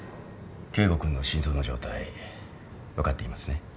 圭吾君の心臓の状態分かっていますね？